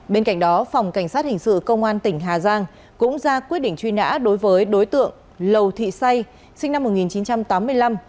bên cạnh đó phòng cảnh sát hình sự công an tỉnh hà giang cũng ra quyết định truy nã đối với đối tượng lầu thị say sinh năm một nghìn chín trăm tám mươi năm